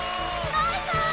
バイバイ！